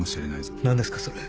何ですかそれ？